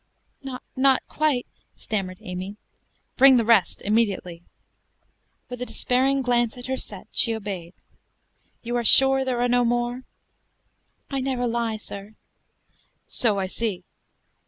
"Not quite," stammered Amy. "Bring the rest, immediately." With a despairing glance at her set she obeyed. "You are sure there are no more?" "I never lie, sir." "So I see.